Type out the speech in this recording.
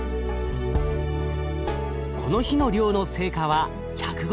この日の漁の成果は１５０個。